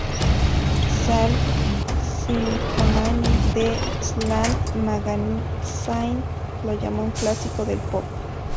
Sal Cinquemani de "Slant Magazine" lo llamó "un clásico del pop".